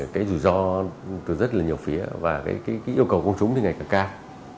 cái rủi ro từ rất là nhiều phía và cái yêu cầu công chúng thì ngày càng cao